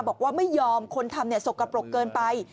บอกว่าไม่ยอมคนทำสกปรกเกินไป